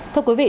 thưa quý vị